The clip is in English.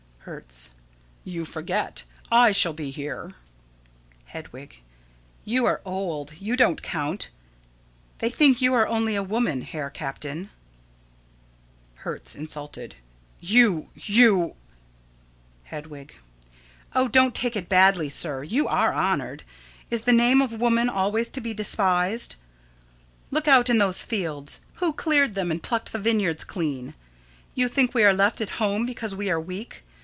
Hertz: You forget. I shall be here. Hedwig: You are old. You don't count. They think you are only a woman, Herr Captain. Hertz: [Insulted.] You you Hedwig: Oh, don't take it badly, sir. You are honored. Is the name of woman always to be despised? Look out in those fields. Who cleared them, and plucked the vineyards clean? You think we are left at home because we are weak.